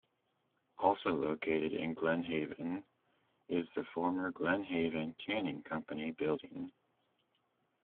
Also located in Glen Haven is the former Glen Haven Canning Company building.